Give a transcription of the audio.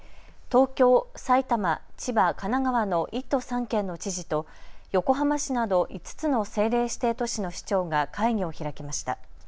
東京、埼玉、千葉、神奈川の１都３県の知事と横浜市など５つの政令指定都市の市長が会議を開きました。